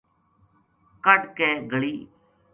کڈھ کے گلی